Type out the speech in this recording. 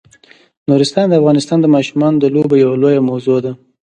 نورستان د افغانستان د ماشومانو د لوبو یوه لویه موضوع ده.